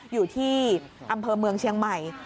อยู่ที่อำเภอเมืองเชียงใหม่